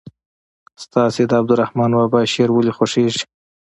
ستاسې د عبدالرحمان بابا شعر ولې خوښیږي.